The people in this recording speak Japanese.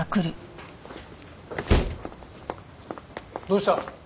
どうした？